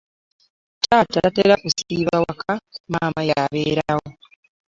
Taata tatera kusiiba waka, maama y'abeera wo.